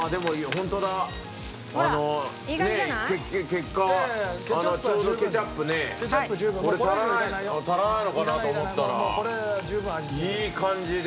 結果ちょうどケチャップね俺足らないのかなと思ったらいい感じで。